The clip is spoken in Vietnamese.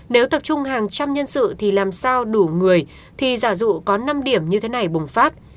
nếu tập trung hàng trăm nhân sự thì làm sao đủ người thì giả dụ có năm điểm như thế này bùng phát